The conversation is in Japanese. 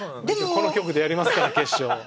この局でやりますから決勝。